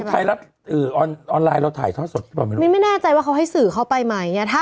ของไทยล่ะอือออนไลน์เราถ่ายท่อสดพี่ป๋อไม่รู้มินไม่แน่ใจว่าเขาให้สื่อเข้าไปมาอย่างเงี้ย